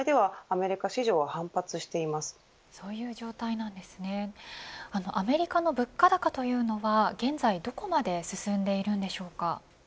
アメリカの物価高というのは現在どこまで進んでいるのでしょうか。